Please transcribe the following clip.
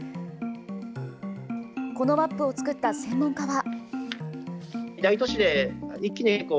このマップを作った専門家は。